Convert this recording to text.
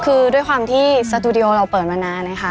คือด้วยความที่สตูดิโอเราเปิดมานานนะคะ